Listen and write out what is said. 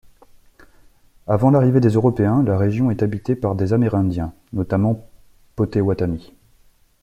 Avant l'arrivée des européens, la région est habitée par des Amérindiens, notamment Potéouatamis.